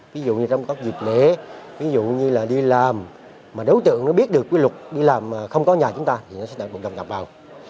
ví dụ như trong các dịch lễ ví dụ như là đi làm mà đối tượng nó biết được cái luật đi làm mà không có nhà chúng ta thì nó sẽ đặt một đồng nhập vào